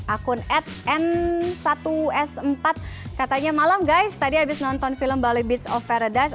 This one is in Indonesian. akun at n satu s empat katanya malam guys tadi habis nonton film bali beats of paradise